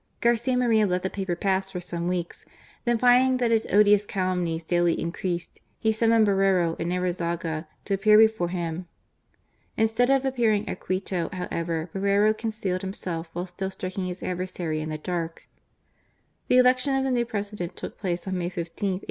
Garcia Moreno let the paper pass for some weeks : then finding that its odious calumnies daily increased, he summoned Borrero and Arizaga to appear before him. Instead of appearing at Quito, THE FIGHT OF JAMBELI. 157 however, Borrero concealed himself, while still striking his adversary in the dark. The election of the new President took place on May 15, 1865.